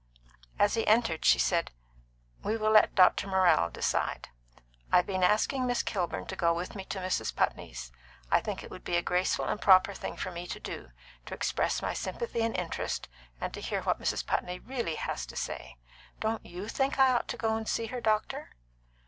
As he entered she said: "We will let Dr. Morrell decide. I've been asking Miss Kilburn to go with me to Mrs. Putney's. I think it would be a graceful and proper thing for me to do, to express my sympathy and interest, and to hear what Mrs. Putney really has to say. Don't you think I ought to go to see her, doctor?"